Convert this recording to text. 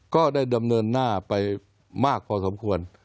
ก็ได้ดำเนินหน้าไปมากพอสมควร